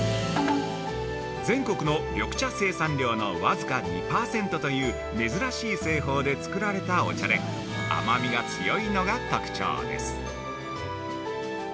全国の緑茶生産量のわずか２％という珍しい製法で作られたお茶で、甘味が強いのが特徴です。